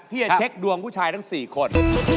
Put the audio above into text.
ที่จะเช็คดวงผู้ชายทั้ง๔คน